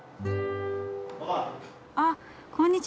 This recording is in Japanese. あこんにちは。